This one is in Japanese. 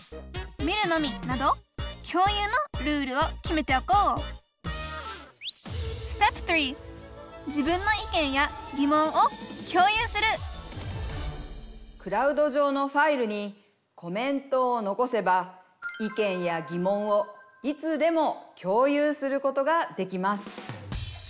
「見るのみ」など共有のルールを決めておこうクラウド上のファイルにコメントを残せば意見や疑問をいつでも共有することができます。